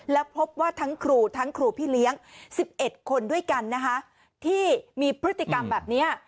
แล้วพบว่าทั้งครูทั้งครูพี่เลี้ยง๑๑คนด้วยกันนะคะที่มีพฤติกรรมแบบนี้